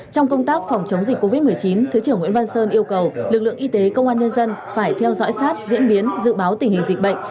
trong công tác phòng chống dịch covid một mươi chín thứ trưởng nguyễn văn sơn yêu cầu lực lượng y tế công an nhân dân phải theo dõi sát diễn biến dự báo tình hình dịch bệnh